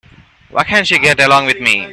Why can't she get along with me?